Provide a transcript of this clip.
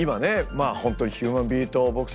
本当にヒューマンビートボックス